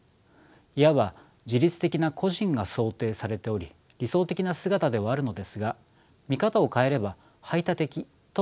いわば自律的な個人が想定されており理想的な姿ではあるのですが見方を変えれば排他的とも言えます。